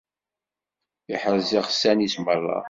Iḥrez iɣsan-is merra.